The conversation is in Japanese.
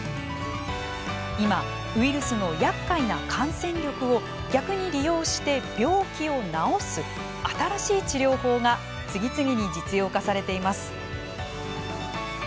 今、ウイルスのやっかいな感染力を逆に利用して病気を治す新しい治療法が次々に実用化されています。